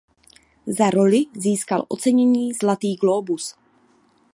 Za roli získal ocenění Zlatý glóbus.